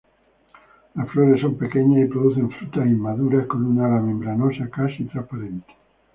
Las flores son pequeñas y producen frutas inmaduras con un ala membranosa casi transparente.